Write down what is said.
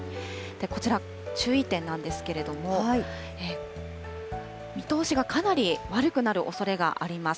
こちら、注意点なんですけれども、見通しがかなり悪くなるおそれがあります。